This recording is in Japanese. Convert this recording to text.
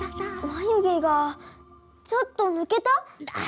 まゆげがちょっとぬけた？